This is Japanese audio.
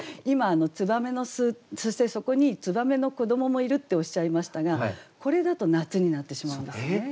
今燕の巣そしてそこに燕の子どももいるっておっしゃいましたがこれだと夏になってしまうんですね。